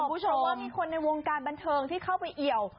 ยังไม่สบเพราะว่ามีคนในวงการบันเทิงที่เข้าไปเอี่ยว